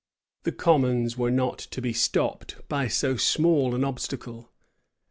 {1649.} The commons were not to be stopped by so small an obstacle.